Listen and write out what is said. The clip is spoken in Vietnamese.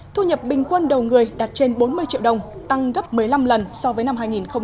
thu nhập bình quân đầu người đạt trên bốn mươi triệu đồng tăng gấp một mươi năm lần so với năm hai nghìn một mươi